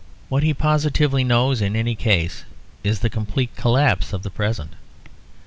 What he positively knows, in any case, is the complete collapse of the present.